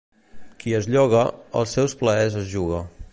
Qui es lloga, els seus plaers es juga.